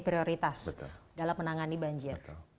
prioritas dalam menangani banjir